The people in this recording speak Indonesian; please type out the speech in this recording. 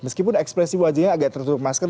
meskipun ekspresi wajahnya agak tertutup masker